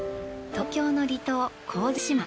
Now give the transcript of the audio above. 東京の離島神津島。